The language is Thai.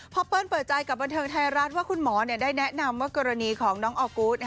เปิ้ลเปิดใจกับบันเทิงไทยรัฐว่าคุณหมอได้แนะนำว่ากรณีของน้องออกูธ